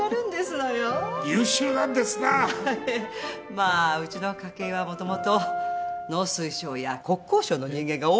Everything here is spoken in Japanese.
まあうちの家系はもともと農水省や国交省の人間が多いんですの。